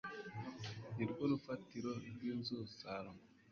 ni rwo rufatiro rw inzu salomo